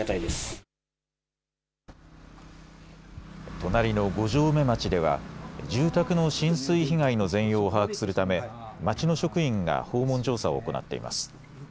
隣の五城目町では住宅の浸水被害の全容を把握するため町の職員が訪問調査を行っています。